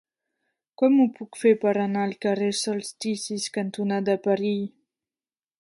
Com ho puc fer per anar al carrer Solsticis cantonada Perill?